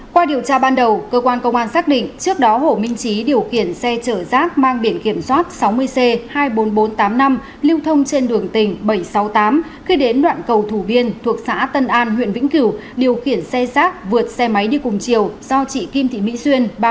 qua điều tra ban đầu cơ quan công an xác định trước đó hồ minh trí điều khiển xe chở rác mang biển kiểm soát sáu mươi c hai mươi bốn nghìn bốn trăm tám mươi năm lưu thông trên đường tỉnh bảy trăm sáu mươi tám khi đến đoạn cầu thủ biên thuộc xã tân an huyện vĩnh cửu điều khiển xe rác vượt xe máy đi cùng chiều do chị kim thị mỹ xuyên